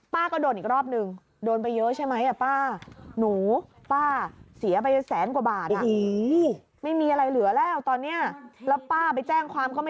ป้าก็โดนอีกรอบหนึ่งโดนไปเยอะใช่ไหมอ่ะป้า